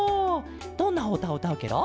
どんなおうたをうたうケロ？